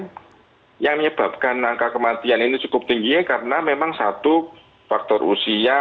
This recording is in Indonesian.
yang menyebabkan angka kematian ini cukup tinggi karena memang satu faktor usia